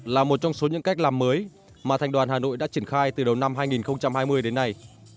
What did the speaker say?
là một trong số những cách làm mới mà thành đoàn hà nội đã triển khai từ đầu năm hai nghìn hai mươi đến nay